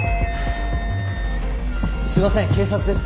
すいません警察です。